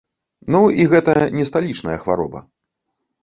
Ну, і гэта не сталічная хвароба.